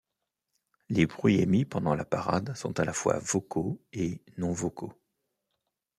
Les bruits émis pendant la parade sont à la foi vocaux et non vocaux.